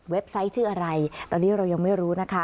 ไซต์ชื่ออะไรตอนนี้เรายังไม่รู้นะคะ